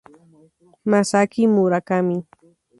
Masaaki Murakami